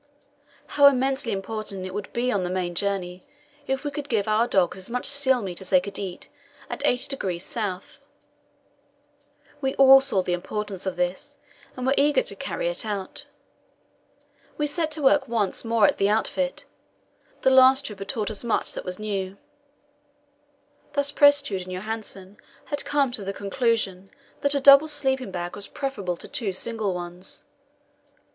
How immensely important it would be on the main journey if we could give our dogs as much seal meat as they could eat at 80° S.; we all saw the importance of this, and were eager to carry it out. We set to work once more at the outfit; the last trip had taught us much that was new. Thus Prestrud and Johansen had come to the conclusion that a double sleeping bag was preferable to two single ones.